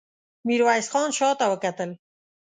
ميرويس خان شاته وکتل.